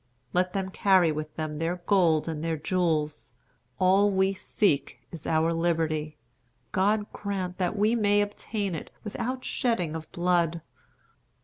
Let them carry with them their gold and their jewels. All we seek is our liberty. God grant that we may obtain it without shedding of blood.